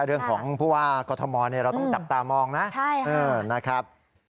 เรื่องของเพราะว่ากฏมอลเนี่ยเราต้องจับตามองนะใช่ครับนะครับ